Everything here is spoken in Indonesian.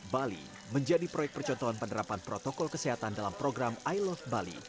bali menjadi proyek percontohan penerapan protokol kesehatan dalam program i love bali